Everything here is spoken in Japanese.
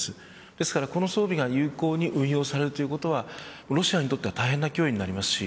ですから、この装備が有効に運用されることはロシアにとって大変な脅威になります。